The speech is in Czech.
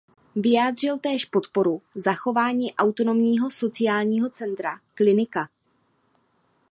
Vyjádřil též podporu zachování Autonomního sociálního centra Klinika.